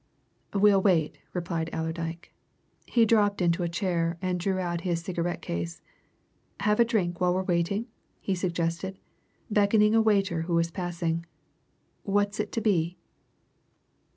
"We'll wait," replied Allerdyke. He dropped into a chair and drew out his cigarette case. "Have a drink while we're waiting?" he suggested, beckoning a waiter who was passing. "What's it to be?"